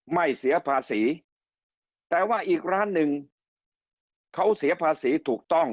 ไม่เสียภาษีแต่ว่าอีกร้านหนึ่งเขาเสียภาษีถูกต้อง